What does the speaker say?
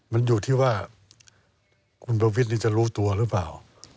มันอยู่ที่ว่าคุณประวิทย์นี่จะรู้ตัวหรือเปล่า